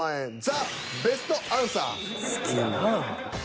好きやなぁ。